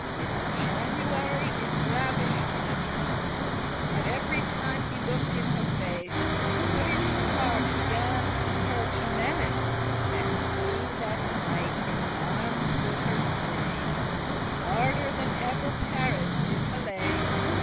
This January is ravish'd in a trance, At every time he looked in her face; But in his heart he gan her to menace, That he that night in armes would her strain Harder than ever Paris did Helene.